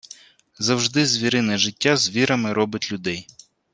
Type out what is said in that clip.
Завжди звірине життя звірами робить людей.